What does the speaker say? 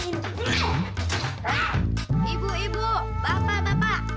ayo beli nih puella sekarang jualan kolak